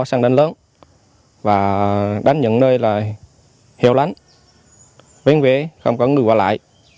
sẵn đánh lớn và đánh những nơi là hiệu lãnh vinh vế không có người quả lại